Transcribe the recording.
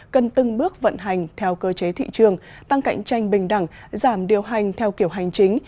cần từng bước vận hành theo cơ chế thị trường tăng cạnh tranh bình đẳng giảm điều hành theo kiểu hành chính